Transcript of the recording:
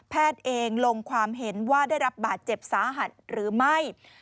เองลงความเห็นว่าได้รับบาดเจ็บสาหัสหรือไม่